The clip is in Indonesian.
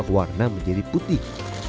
warna menjadi putih